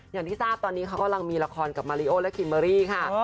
อย่างที่ทราบตอนนี้เขากำลังมีละครกับมาริโอและคิมเมอรี่ค่ะ